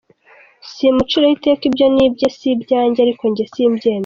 Simuciraho iteka ibyo ni ibye si ibyanjye ariko njye simbyemera.